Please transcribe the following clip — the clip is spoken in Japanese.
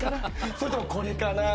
それともこれかな？